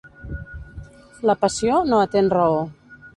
La passió no atén raó.